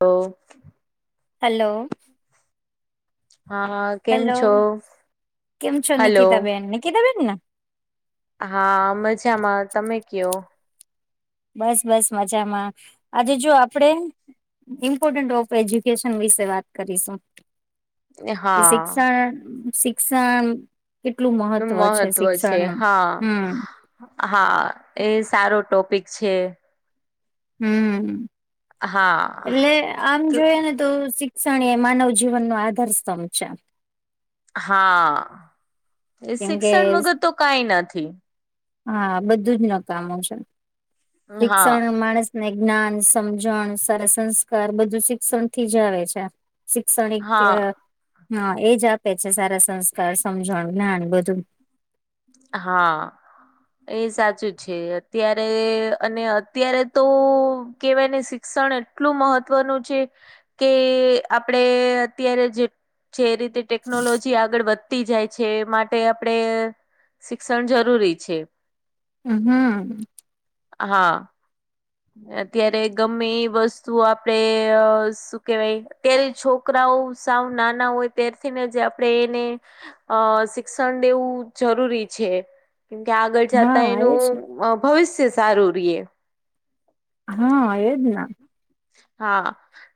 ઓ hello હા હા કેમ હેલો, છો કેમ છો હલો નિકિતા બેેન? નિકિતા બેનને? હા મજામાં, તમે કયો બસ બસ મજામાં, આજે જો આપડે ઇમ્પોર્ટન્ટ ઓફ એજ્યુકેશન વિશે વાત કરીશું. એ હા શિક્ષણ શિક્ષણ કેટલું મહત્વ છે શિક્ષણ મા હમમ હા, એ સારો ટોપિક છે. હમ્મ હા એટલે આમ તો જોઈએ ને તો શિક્ષણ એ માનવ જીવનનો આધાર સ્તંભ છે. હા, એ કેમકે શિક્ષણ વગર તો કઈ નથી. હા બધું જ નકામો છે, હા શિક્ષણ માણસ ને જ્ઞાન, સમજણ, સારા સંસ્કાર બધું શિક્ષણ થી જ આવે છે. શિકષણિક હા ત્યહ હા એજ આપે છે સારા સંસ્કાર, સમજણ. જ્ઞાન બધું. હા. એ સાચું છે, અત્યારે અને અત્યારે તો કેવાય ને શી ષણ એટલું મહત્વનું છે, કે આપડે અત્યારે જે જે રીતે ટેકનોલોજી આગળ વધતી જાય છે, માટે આપડે શિક્ષણ જરૂરી છે. હમ્મ હા. અત્યારે ગમે એ વસ્તુ આપડે અ શું કેવાય, તેલ છો છોકરાઓ સાવ નાના હોય તેરથી, ને જે આપડે એને અ શિક્ષણ દેવું જરૂરી છે. કેમકે આગળ જતા હા એજ એનું ભવિષ્ય સારું રીએ. હા એ જના. હા,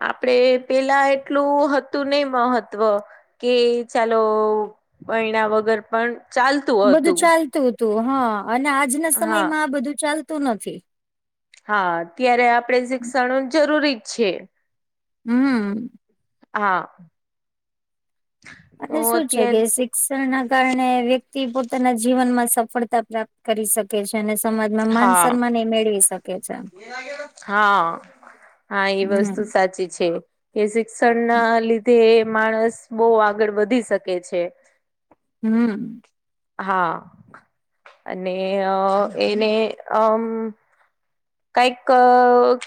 આપડે પેલા એટલું હતું નહી મહત્વ. કે ચાલો ભયના વગર પણ ચાલતું બધું હતું ચાલતું હતું હા અને આજના હા સમયમાં આ બધું ચાલતું નથી. હા ત્યારે આપડે શિક્ષણ જરૂરી જ છે. હમ્મ હા. તો અને શું છે કે અત્યારે શીક ના કારણે વ્યક્તિ પોતાના જીવન માં સફળતા પ્રાપ્ત કરી શકે. છે અને સમાજમાં માન હા સન્માન એ મેળવી શકે છે. હા હા એ વસ્તુ હમ સાચી છે. કે શિક્ષણ ના લીધે માણસ બહુ આગળ વધી શકે છે. હમ હા અને એને અમ કઈક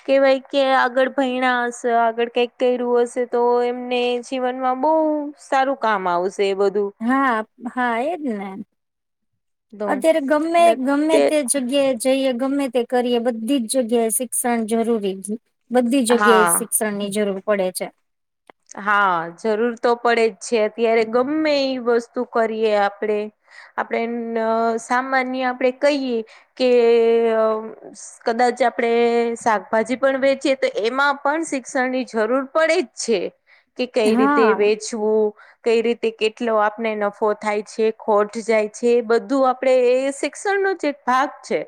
કહેવાય કે આગળ ભયણા હશે આગળ કઈક કર્યું હશે.? તો એમને જીવનમાં બહુ સારું કામ આવશે બધું. હા હા એજ ને. ! તો અત્યારે ગમે ગમે તે જગ્યાએ જઈએ ગમે તે કરીએ બધી જ જગ્યાએ શિક્ષણ જરૂરી, બધી હા જગ્યાએ શિક્ષ ની જરૂર પડે છે. હા જરૂર તો પડે જ છે અત્યારે ગમે એ વસ્તુ કરીએ આપડે આપણે સામાન્ય આપણેે કહીએ કે કદાચ આપડણે શાકભાજી પણ વેચીએ તો એમાં પણ શિક્ષણની જરૂર પડે જ છે. કે કઈ રીતે હા વેચવું? કઈ રીતે કેટલો આપણે નફો થાય છે ખોટ જાય છે બધું આપડે એ શિક્ષણ ન જે ભાગ છે.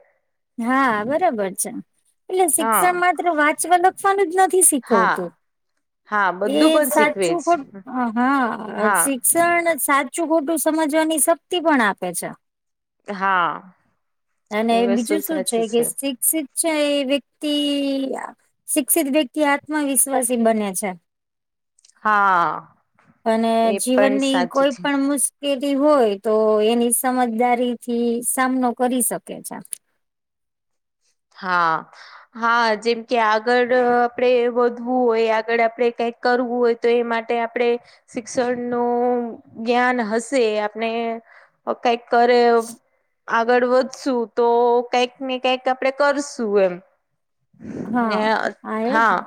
હા બરાબર છે એટલે હા શિક્ષણ માત્ર વાંચવા લખવાનું જ નથી હા શીખવતું. હા એ બધું પણ શીખવે સાચું ખ છે હા શિક્ષણ સાચ સાચું ખોટું સમજવાની શક્તિ પણ આપે છે. હા અને એ વસ્તુ બીજું શું સાચી કે છે. શિક્ષિત છે એ વ્યક્તિ શિક્ષિત વ્યક્તિ આત્મવિશ્વાસી બને છે. હા અને એ પણ જીવનની સાચી કોઈ છે પણ મુશ હોય તો એની સમજદારી થી સામનો કરી શકે છે. હા હા જેમ કે આગળ આપડે વધવું હોય આગળ આપડે કઈક કરવું હોય તો એ માટે આપડણે શિક્ષણ નું જ્ઞાન હશે આપણે કંઈક કરે આગળ વધશું તો કઈક ને કંક આપડે કરશું એમ ને હા આ એ જ. હા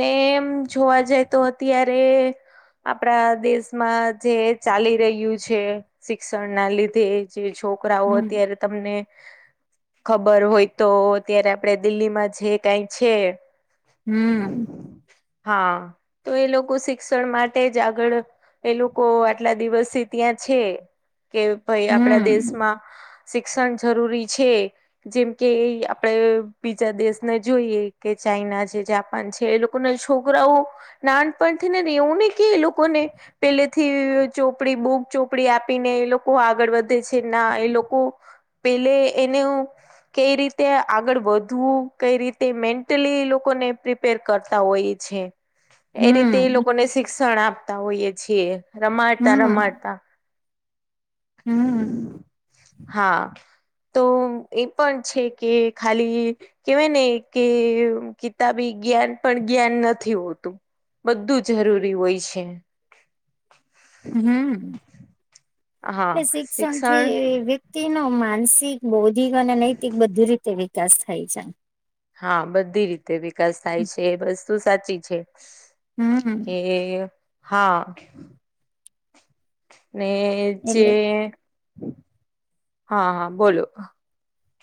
ને એમ જોવા જાય તો અત્યારે આપણા દેશમાં જે ચાલી રહ્યું છે. શિક્ષણ ના લીધે જે છોકરાઓ હમ અત્યારે તમને ખબર હોય તો ત્યારે આપડે દિલ્હીમાં જે કઈ છે.? હમ હા તો એ લોકો શિક્ષણ માટે જ આગળ એ લોકો આટલા દિવસે ત્યાં છે કે ભાઈ આપડા હમ દેશમાં શિક્ષણ જરૂરી છે. જેમ કે એ આપણેે બીજા દેશને જોઈએ કે ચાઈના છે જે છે એ લોકો ના છોકરાઓ નાનપણથી ને રેવું ને કે એ લોકોને પેલેથી ચોપડી બૂગ ચોપડી આપીને એ લોકો આગળ વધે છે ના એ લોકો પેલે એનું કઈ રીતે આગળ વધવું, કઈ રીતે મેન્ટલી લોકોને પ્ર કરતા હોઈએ છે. એ રીતે એ હમ લોકોને શિક્ષણ આપતા હોઈએ છીએ. રમા આતા હમ રમાતા, હમ હા! તો એ પણ છે કે ખાલી કેવાય ને કે કિતાબી જ્ઞાન પણ જ્ઞાન નથી હોતું. બધું જરૂરી હોય છે. હમ્મ, એટલે શિક્ષણ થી વ તિ નો માનસિક, બૌદ્ધિક અને નૈતિક બધી રીતે વિકાસ થાય છે. હા બધી રીતે વિકાસ થાય છે એ વસ્તુ સાચી છે. હમ એ હા. ને જે, એટલે હા બોલો.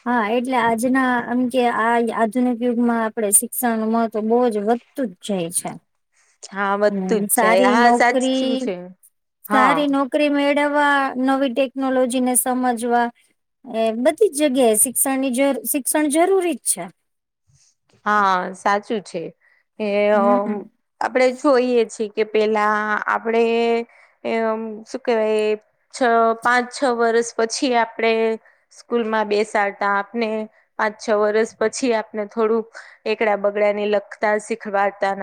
હા એટલે આજના આમ કે આ આધુનિક યુગમાં આપણે શિક્ષણ નું મહત્વ બહુ જ વધ તું જ જાય છે. હા વધતું હમ્મ, જ જાય સારી હા સાચું નોકરી છે સારી હા નોક કરી મેળવવા નવી ટેકનોલોજી ને સમજવા એ બધી જ જગ્યાએ શિક્ષણ ની જ શિક્ષણ જરૂરી જ છે. હા સાચું છે એ હમ આપણે જોઈએ છીએ કે પેલા આપણેે એમ શું કેહેવાય છ, પાંચ છ વર્ષ પછી આપણેે સ્કૂલ માં બેસાડતા આપને પાંચ છ વરષ પછી આપને થોડુંક એકડા બગડા ને લખતા શીખવાડતા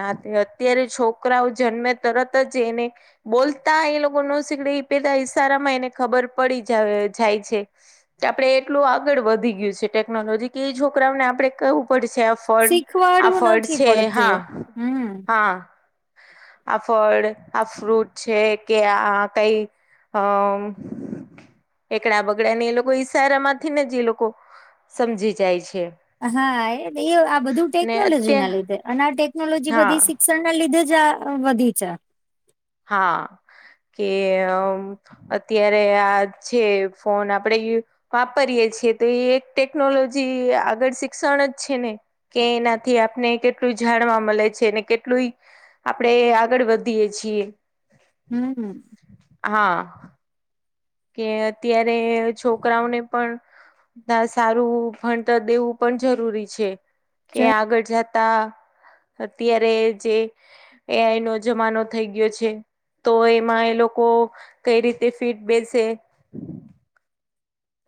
અત્યારે છોકરાઓ જન્મે તરત જ એને બોલતા એ લોકો ન શીકડે એ પેલા ઈશારામાં એને ખબર પડી જ જાય છે. તે આપડે એટલું આગળ વધી ગયું છે ટેકનોલોજી કે એ છોકરાઓને આપણે કવું પડશે. ફડ આ શીખવાડવું ફડ નથી છે પડતું હા, હમ હા. આ ફળ, આ ફ્રૂટ છે કે આ કઈ અમ. એકડા બગડા ને એ લોકો ઈશારા માંથી ને જ એ લોકો સમજી જાય છે. હા એ એ આ બધું ને ટેકનોલોજી ના અત્યાર લીધે અને આ ટેકનોલોજી હા બધી શી ક્ષણના લીધે જઆ વધી છે. હા કે અમ અત્યારે આ જે ફોન આપડે યુ વાપરીએે છીએ તો એ એક ટેકનોલોજી આગળ શિક્ષણ જ છે ને. કે એનાથી આપને કેટલું જાણવા મળે છે અનેને કેટલું ઈ આપણે આગળ વધીએે છીએ. હમ્મ. હા. કે અત્યારે છોકરાઓને પણ ના સારું ભણતર દેવું પણ જરૂરી છે કે જ આગળ જાતા તા અત્યારે જે એ આઈ નો જમાનો થઈ ગયો છે. તો એમાં એ લોકો કઈ રીતે ફિટ બેસે.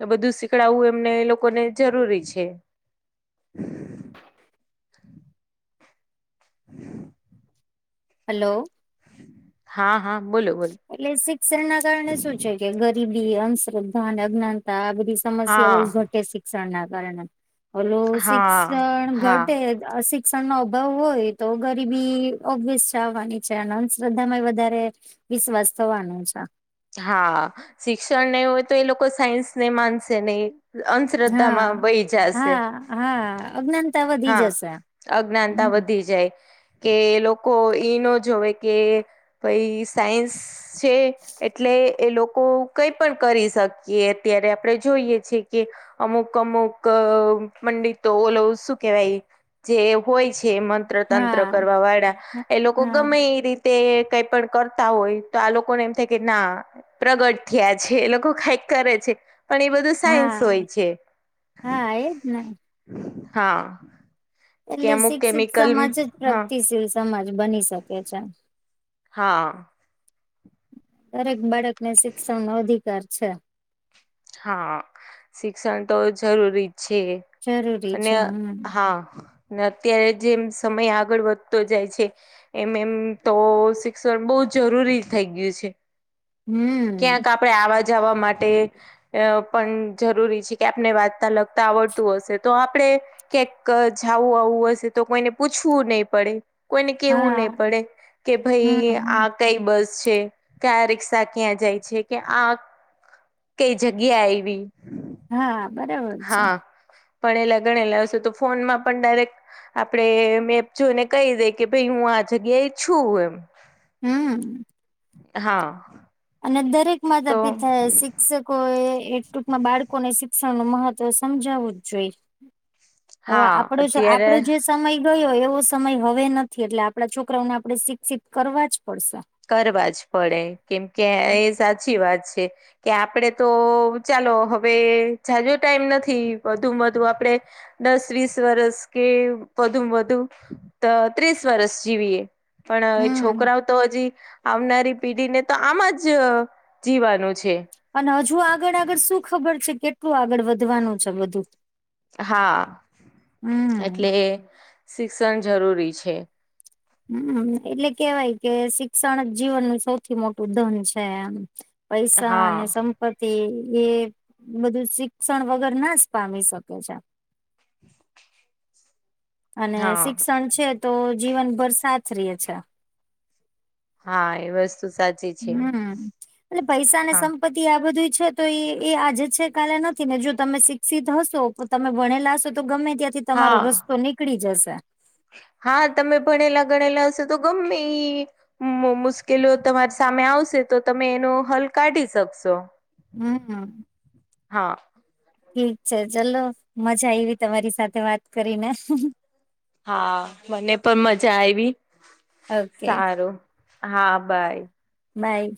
તો બધું શીકડાવવું એમને એ લોકોને જરૂરી છે. હમ. હાલો. હા હા, બોલો બોલો. એટલે શિક્ષણ ના કારણે શું છે કે ગરીબી, અંધશ્રદ્ધા, અજ્ઞાનતા આ બધી સમસ્યા હોય હા ઘટે શિક્ષણ ના કારણે ઓલું હા શિક્ષણ હા ઘટે શિક્ષણ નો અભાવ હોય તો ગરીબી ઓબ્વિયસ છે આવવાની છે અને અંધશ્રદ્ધામાં વધારે વિશ્વાસ થવાનો છે. હા શિક્ષણ નહી હોય તો એ લોકો સાયન્સ ને માનશે નહી. અંધશ્રદ્ધામાં હા વહી જશે હા હા અજ્ઞાનતા વધી હા. જશે અજ્ઞાનતા હમ વધી જાય. કે લોકો ઈ નો જોવે કે ભાઈ સાયન્સ છે. એટલે એ લોકો કઈ પણ કરી શકીએ અત્યારે આપણે જોઈએ છેએ કે અમુક અમુક પંડિતો ઓલો શું કેવાય. જે હોય છે મંત્ર તંત્ર હા કરવા વાળા એ લોકો હા ગમે એ રીતે. તે કઈ પણ કરતા હોય તો આ લોકોને એમ. કે ના પ્રગટ થયા છે એ લોકો કઈક કરે છે પણ એ બધું. સાયન્સ હોય હા છે હા એજ ને હા. કે એટલે અમુક શિક્ષિત કેમિકલ સમાજ જ હા પ્રગતિશીલ સમાજ બની શકે છે. હા. દરેક બાળકને શિક્ષણ નો અધિકાર છે. હા શિક્ષણ તો જરૂરી જ છે. જરૂરી છે અને હમ હા અત્યારે જેમ સમય આગળ વધતો જાય છે. એમ એમ તો શિક્ષણ બહુ જરૂરી થઈ ગયું છે. હમ ક્યાંક આપડે આવા જવા માટે. અ પણ જરૂરી છે કે આપને વાંચતા લગતા આવડતું હશે તો આપણે. કક જવું આવું હશે તો કોઈને પૂછવું નહી પડે. કોઈને કેવું નહી હા પડે કે ભાઈ હમ આ કઈ બસ છે કે આ રિક્ષા ક્યાં જાય છે કે આ. કઈ જગ્યા આઈ બ. હા બરાબર છે. પણ એલે ગણે લાવશે તો ફોનમાં પણ ડાયરેક્ટ. આપડણે મેપ જોઈને કહી દઈ કે ભાઈ હું આ જગ્યાએ છું એમ. હમ. હા. અને દરેક તો માતા પિતા એ શિક્ષકો એ એ ટુંંકમાં બાળકોને. શિક્ષણ નું મહત્વ સમજાવવું જ જોઈ હવે હા આપણ અત્યારે આપડું જે. સમય ગયો એવો સમય હવે નથી એટલે આપડાણા છોકરાઓને આપડણે શિક્ષિત કરવા જ પડશે. કરવા જ પડે કેમ કે એ સાચી વાત છે. કે આપડે તો ચાલો હવે જાજો ટાઈમ નથી વધુ વધુ આપડે. દસ વીસ વરસ કે વધુ વધુ ત્રીસ વરષ જીવીએ પણ એ હમ છોકરાઓ તો હજી. આવનારી પેઢીને તો આમાં જ જીવાનું છે. અને હજુ આગળ આગળ શું ખબર છે કેટલું આગળ વધવાનું છે બધું. હા હમ એટલે શિક્ષણ જરૂરી છે. હમ એટલે કેવાય કે શિક્ષણ જ જીવનનું સૌથી મોટું ધન છે એમ. પૈસા હા અને સમ પતિ એ બધું શિક્ષણ વગર નાશ પામી શકે છે. અને હા શિક્ષણ છે તો જીવનભર સાથ ર છે. હા એ વસ્તુ સાચી છે હમ એટલે પૈસા ને સ હા પતિ આ બધું છે તો એ એ આજે છે કાલે નથી ને જો તમે શિક્ષિત હશો તો તમે ભણેલા હશો તો ગમે ત્યાંથી તમારો હા રસ્તો નીકળી જશે. હા તમે ભણેલા ગણેલા હશો તો ગમે ઇ મુશ્કેલી તમારી સામે આવશે તો તમે એનો હલ કાઢી શકશો. હમ હા હા ઠીક છે ચલો મજા એવી તમારી સાથે વાત કરીને. હા મને પણ મજા આઈવી. ઓકે સારું હા બાય. બાય.